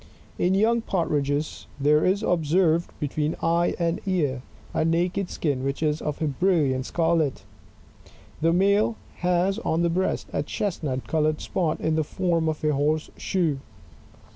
In young Partridges there is observed, between eye and ear, a naked skin which is of a brilliant scarlet. The male has on the breast a chestnut coloured spot in the form of a horse shoe.